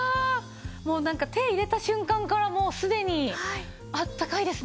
もうなんか手入れた瞬間からもうすでにあったかいですね。